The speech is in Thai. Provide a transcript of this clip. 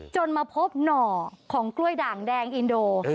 มาพบหน่อของกล้วยด่างแดงอินโด